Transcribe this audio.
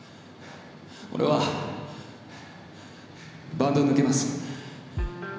俺はバンドを抜けます。